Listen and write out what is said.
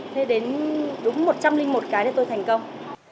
thế đến đúng một trăm linh một cái thì tôi thành công